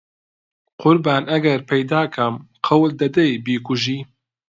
قوربان ئەگەر پەیدا کەم قەول دەدەی بیکوژی؟